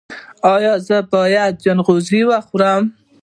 ایا زه باید چغندر وخورم؟